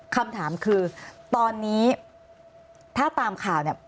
คำถามคือตอนนี้ถ้าตามข่าวเนี่ย